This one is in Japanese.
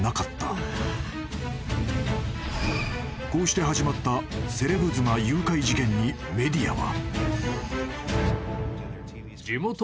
［こうして始まったセレブ妻誘拐事件にメディアは］